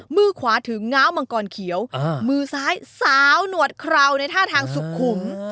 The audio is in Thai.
มือขวาถือง้าวมังกรเขียวมือซ้ายสาวหนวดคราวในท่าทางสุขุม